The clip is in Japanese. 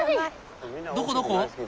どこどこ？